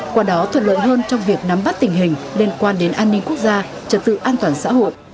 qua đó thuận lợi hơn trong việc nắm bắt tình hình liên quan đến an ninh quốc gia trật tự an toàn xã hội